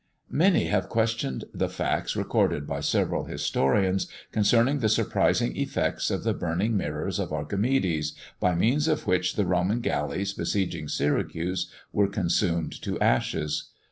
Many have questioned the facts recorded by several historians, concerning the surprising effects of the burning mirrors of Archimedes, by means of which the Roman galleys besieging Syracuse were consumed to ashes.